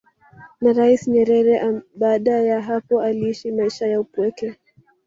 na Rais Nyerere baada ya hapo aliishi maisha ya upweke